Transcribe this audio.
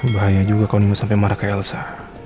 bahaya juga kalau lima sampai marah ke elsa